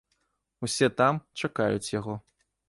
Усе там, чакаюць яго.